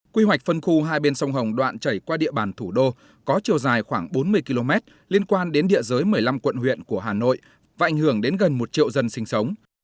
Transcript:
quy hoạch phân khu hai bên sông hồng đoạn chảy qua địa bàn thủ đô có chiều dài khoảng bốn mươi km liên quan đến địa giới một mươi năm quận huyện của hà nội và ảnh hưởng đến gần một triệu dân sinh sống